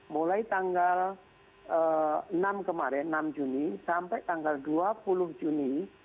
mulai tanggal enam kemarin enam juni sampai tanggal dua puluh juni